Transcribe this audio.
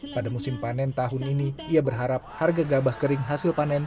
pada musim panen tahun ini ia berharap harga gabah kering hasil panen